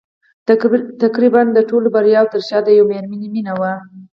تقريباً د ټولو د برياوو تر شا د يوې مېرمنې مينه وه.